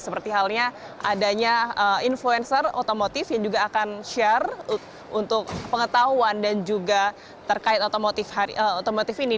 seperti halnya adanya influencer otomotif yang juga akan share untuk pengetahuan dan juga terkait otomotif ini